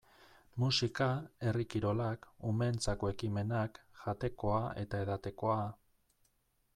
Musika, herri kirolak, umeentzako ekimenak, jatekoa eta edatekoa...